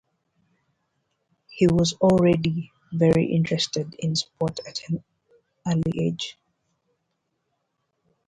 He was already very interested in sport at an early age.